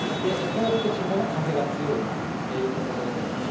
東北地方も風が強いといった所ですね。